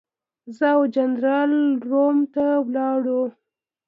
زه او جنرال روم ته ولاړو.